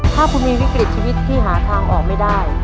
ถ้าคุณมีวิกฤตชีวิตที่หาทางออกไม่ได้